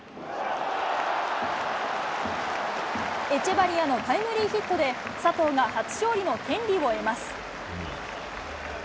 エチェバリアのタイムリーヒットで、佐藤が初勝利の権利を得ます。